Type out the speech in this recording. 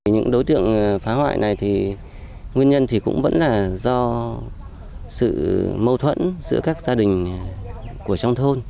những đối tượng phá hoại này thì nguyên nhân thì cũng vẫn là do sự mâu thuẫn giữa các gia đình của trong thôn